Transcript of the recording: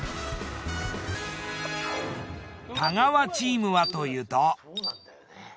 太川チームはというと。